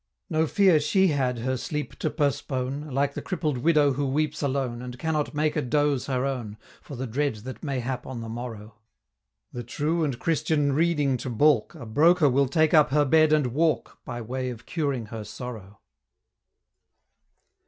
No fear she had her sleep to postpone, Like the crippled Widow who weeps alone, And cannot make a doze her own, For the dread that mayhap on the morrow, The true and Christian reading to baulk, A broker will take up her bed and walk, By way of curing her sorrow.